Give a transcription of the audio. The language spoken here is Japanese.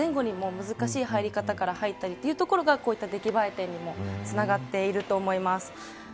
ジャンプの前後に難しい入りから入ったりしているところがこういった出来栄え点につながっていると思います。